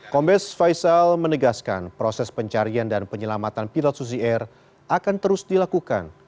kombes faisal menegaskan proses pencarian dan penyelamatan pilot susi air akan terus dilakukan